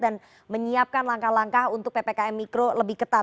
dan menyiapkan langkah langkah untuk ppkm mikro lebih ketat